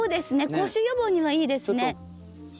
口臭予防にはいいですね。